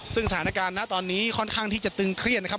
ซึ่งสถานการณ์นะตอนนี้ค่อนข้างที่จะตึงเครียดนะครับ